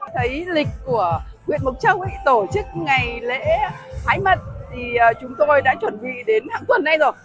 du lịch của huyện mộc châu tổ chức ngày lễ hái mận thì chúng tôi đã chuẩn bị đến hạng tuần này rồi